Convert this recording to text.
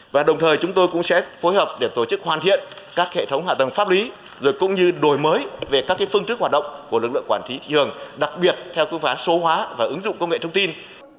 và đồng thời chúng tôi cũng sẽ phối hợp để tổ chức hoàn thiện các hệ thống hạ tầng pháp lý rồi cũng như đổi mới về các phương thức hoạt động của lực lượng quản lý thị trường đặc biệt theo cơ phán số hóa và ứng dụng công nghệ thông tin